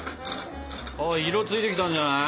色ついてきたんじゃない？